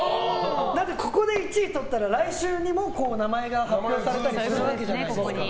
ここで１位取ったら来週にも名前が発表されたりするわけじゃないですか。